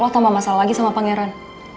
wah tambah masalah lagi sama pangeran